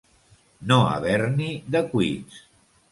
No haver-n'hi de cuits.